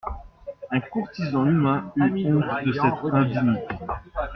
Un courtisan humain eut honte de cette indignité.